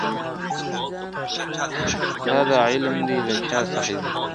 تا دا علم دی له چا څخه زده کړی !.